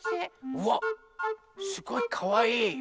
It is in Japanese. うわっすごいかわいい！